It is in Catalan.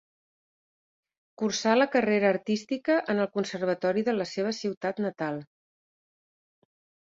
Cursà la carrera artística en el Conservatori de la seva ciutat natal.